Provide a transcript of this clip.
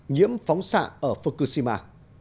nhiễm phóng xạ ở fukushima